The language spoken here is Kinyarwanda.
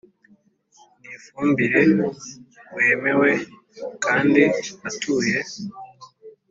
N ifumbire wemewe kandi atuye